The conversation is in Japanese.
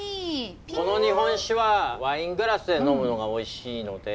この日本酒はワイングラスで呑むのがおいしいので。